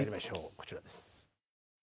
こちらです。